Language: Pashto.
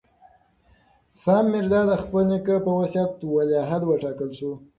سام میرزا د خپل نیکه په وصیت ولیعهد وټاکل شو.